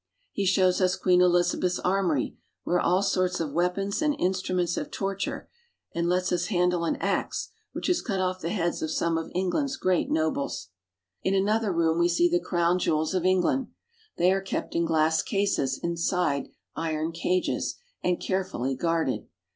He shows us Queen Elizabeth's armory, where are all sorts of weapons and instruments of torture, and lets us handle an ax which has cut off the heads of some of England's great nobles. In another room we see the crown jewels of England. They are kept in glass cases inside iron cages and carefully guarded.